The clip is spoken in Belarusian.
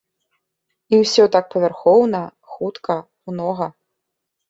І ўсё так павярхоўна, хутка, многа.